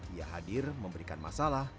ia hadir memberikan masalah